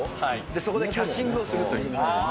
そこでキャッシングをするという。